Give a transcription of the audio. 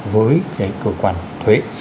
với cái cơ quan thuế